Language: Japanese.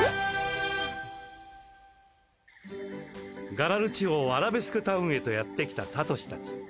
ガラル地方アラベスクタウンへとやってきたサトシたち。